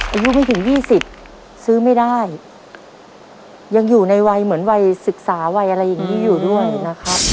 อายุไม่ถึงยี่สิบซื้อไม่ได้ยังอยู่ในวัยเหมือนวัยศึกษาวัยอะไรอย่างนี้อยู่ด้วยนะครับ